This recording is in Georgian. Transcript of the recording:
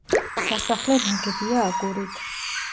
სასახლე ნაგებია აგურით.